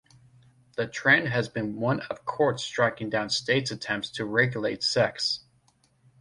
The trend has been one of courts striking down states' attempts to regulate sex.